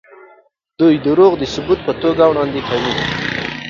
دوی دروغ د ثبوت په توګه وړاندې کوي.